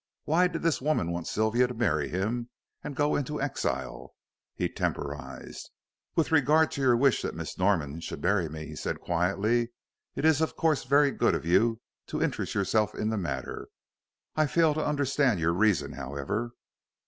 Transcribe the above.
Why did this woman want Sylvia to marry him, and go into exile? He temporized. "With regard to your wish that Miss Norman should marry me," said he, quietly, "it is of course very good of you to interest yourself in the matter. I fail to understand your reason, however."